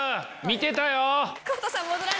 見てたよ！